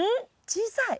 小さい。